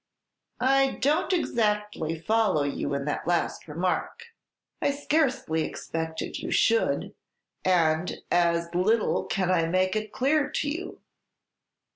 "I don't exactly follow you in that last remark." "I scarcely expected you should; and as little can I make it clear to you.